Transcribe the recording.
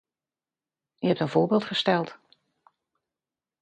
U hebt een voorbeeld gesteld.